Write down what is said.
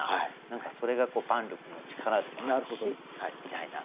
何かそれが万緑の力でもあるしみたいな。